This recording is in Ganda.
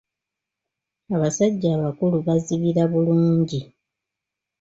Abasajja abakulu bazibira bulungi.